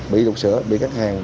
bị rụt sửa bị cắt hàn